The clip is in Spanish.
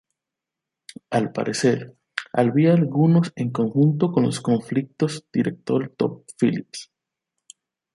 Al parecer, había algunos en conjunto con los conflictos director Todd Phillips.